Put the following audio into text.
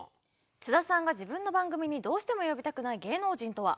津田さんが自分の番組にどうしても呼びたくない芸能人とは？